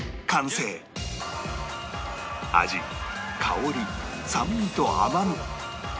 味香り酸味と甘み